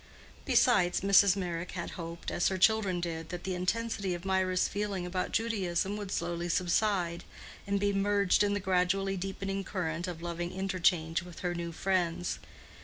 Besides, Mrs. Meyrick had hoped, as her children did, that the intensity of Mirah's feeling about Judaism would slowly subside, and be merged in the gradually deepening current of loving interchange with her new friends.